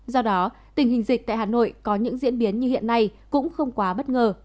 do đó tình hình dịch tại hà nội có những diễn biến như hiện nay cũng không quá bất ngờ